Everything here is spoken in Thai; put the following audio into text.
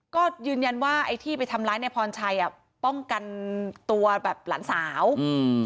ก็ยืนยันว่าไอ้ที่ไปทำร้ายในพรชัยอ่ะป้องกันตัวแบบหลานสาวอืม